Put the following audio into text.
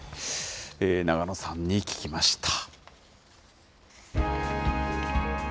永野さんに聞きました。